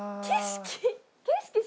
景色。